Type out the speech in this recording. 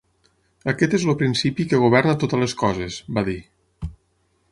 "Aquest és el principi que governa totes les coses" va dir.